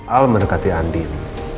al menekati andin